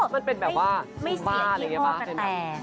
มันเป็นแบบว่ามุมบ้าอะไรงี้บ้าง